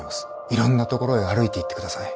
いろんなところへ歩いていってください。